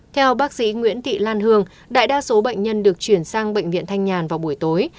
theo bác sĩ nguyễn thị lan hương đại đa số bệnh nhân được chuyển sang bệnh viện thanh nhàn vào buổi tối